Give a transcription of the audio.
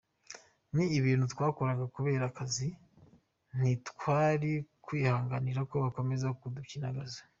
Ni ibintu twakoraga kubera akazi, ntitwari kwihanganira ko bakomeza kudupyinagaza.